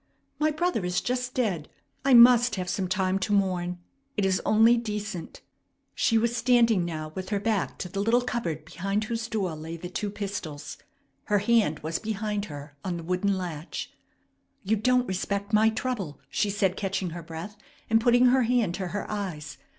My brother is just dead. I must have some time to mourn. It is only decent." She was standing now with her back to the little cupboard behind whose door lay the two pistols. Her hand was behind her on the wooden latch. "You don't respect my trouble!" she said, catching her breath, and putting her hand to her eyes.